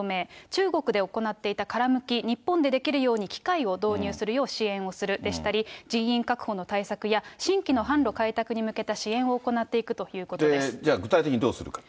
中国で行っていた殻むき、日本でできるように機械を導入するよう支援をするでしたり、人員確保の対策や新規の販路開拓に向けた支援を行っていくというじゃあ具体的にどうするか。